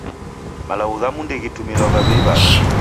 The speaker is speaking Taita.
Malagho ghamu ndeghitumilwagha w'ei w'ada.